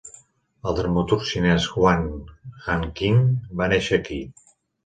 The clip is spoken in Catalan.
El dramaturg xinès Guan Hanqing va néixer aquí.